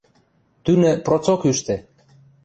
Тӱнӹ процок ӱштӹ.